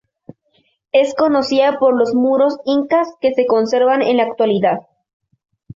Es conocida por los muros incas que se conservan en la actualidad.